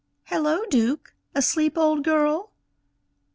"Hello, Duke! asleep, old girl?"